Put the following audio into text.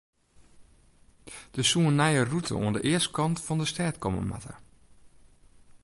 Der soe in nije rûte oan de eastkant fan de stêd komme moatte.